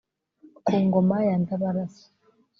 ku ngoma ya ndabarasa